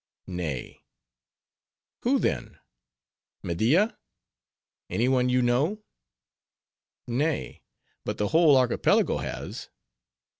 "Nay." "Who then?—Media?—Any one you know?" "Nay: but the whole Archipelago has."